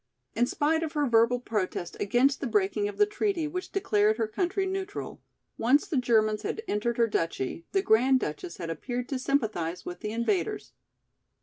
In spite of her verbal protest against the breaking of the treaty which declared her country neutral, once the Germans had entered her duchy the Grand Duchess had appeared to sympathize with the invaders.